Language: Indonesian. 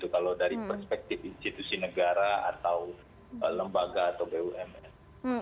kalau dari perspektif institusi negara atau lembaga atau bumn